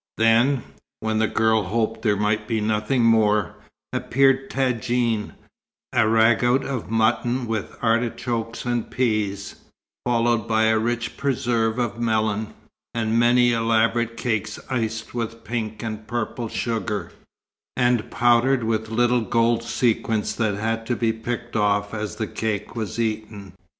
Then, when the girl hoped there might be nothing more, appeared tadjine, a ragout of mutton with artichokes and peas, followed by a rich preserve of melon, and many elaborate cakes iced with pink and purple sugar, and powdered with little gold sequins that had to be picked off as the cake was eaten.